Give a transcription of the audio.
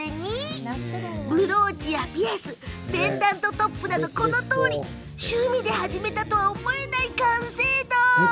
ブローチやピアスペンダントトップなどこのとおり趣味で始めたとは思えない完成度。